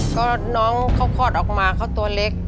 ก็น้องเขาคลอดออกมาเขาตัวเล็ก